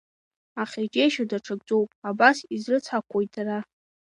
Аха иџьеишьо даҽакӡоуп, абас изрыцҳақәои дара?!